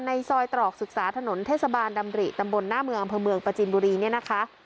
ซอยตรอกศึกษาถนนเทศบาลดำริตำบลหน้าเมืองอำเภอเมืองประจินบุรีเนี่ยนะคะ